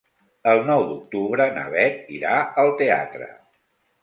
El nou d'octubre na Bet irà al teatre.